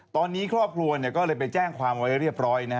ตอนนี้ครอบครัวก็เลยไปแจ้งความไว้เรียบร้อยนะฮะ